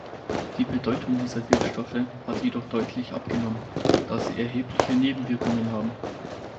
Die Bedeutung dieser Wirkstoffe hat jedoch deutlich abgenommen, da sie erhebliche Nebenwirkungen haben.